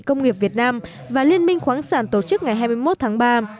công nghiệp việt nam và liên minh khoáng sản tổ chức ngày hai mươi một tháng ba